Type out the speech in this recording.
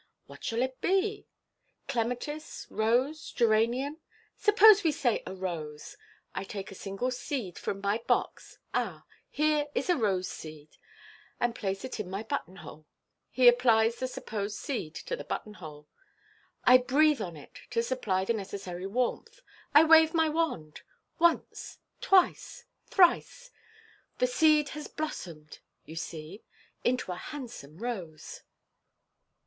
What shall it be? Clematis, rose, geranium? Suppose we say a rose. I take a single seed from my box — ah, here is a rose seed —and place it in my button hole." (He applies the supposed seed to the button hole.) " I breathe on it to supply the necessary warmth. I wave my wand — Once ! twice ! thrice ! The seed has blossomed, you see, into a handsome rose."